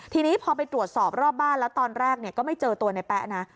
ทีนี้พอไปตรวจสอบรอบบ้านแล้วตอนแรกก็ไม่เจอตัวในแป๊ะนะ